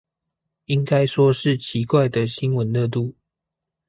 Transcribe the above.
應該說是奇怪的新聞熱度